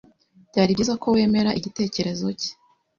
Byari byiza ko wemera igitekerezo cye.